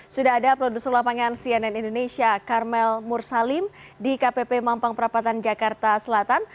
sudah ada produser lapangan cnn indonesia karmel mursalim di kpp mampang perapatan jakarta selatan